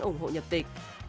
ủng hộ nhập tịch